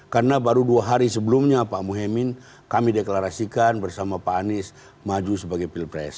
karena baru dua hari sebelumnya pak muhyemen kami deklarasikan bersama pak anies maju sebagai pilpres